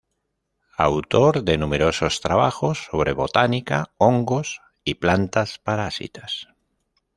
Autor de numerosos trabajos sobre botánica, hongos y plantas parásitas.